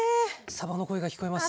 さばの声が聞こえます。